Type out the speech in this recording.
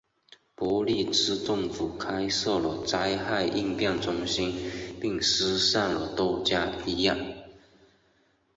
伯利兹政府开设了灾害应变中心并疏散了多家医院。